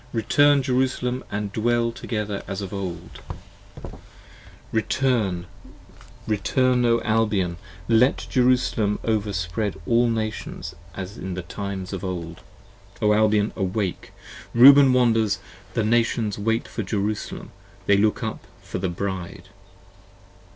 Return, Jerusalem, & dwell together as of old: Return, 8? 35 Return: O Albion, let Jerusalem overspread all Nations As in the times of old; O Albion awake! Reuben wanders, The Nations wait for Jerusalem, they look up for the Bride.